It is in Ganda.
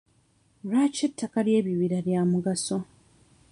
Lwaki ettaka ly'ebibira lya mugaso?